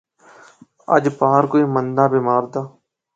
اج پار کوئی مندا بیمار دا